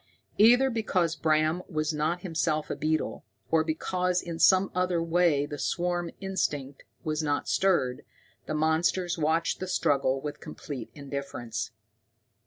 Either because Bram was not himself a beetle, or because in some other way the swarm instinct was not stirred, the monsters watched the struggle with complete indifference.